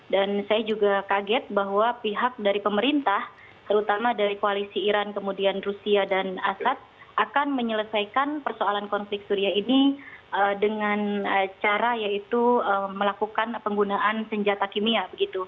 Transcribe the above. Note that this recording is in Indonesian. dan saya juga kaget bahwa pihak dari pemerintah terutama dari koalisi iran kemudian rusia dan assad akan menyelesaikan persoalan konflik suriah ini dengan cara yaitu melakukan penggunaan senjata kimia